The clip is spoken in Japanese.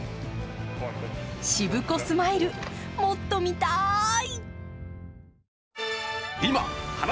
シブコスマイル、もっと見たい。